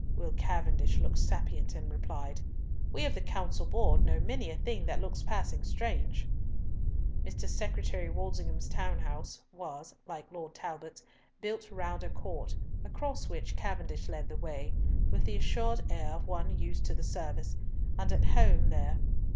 Will Cavendish looked sapient, and replied, "We of the Council Board know many a thing that looks passing strange." Mr. Secretary Walsingham's town house was, like Lord Talbot's, built round a court, across which Cavendish led the way, with the assured air of one used to the service, and at home there.